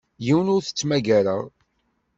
Yiwen ur t-ttmagareɣ.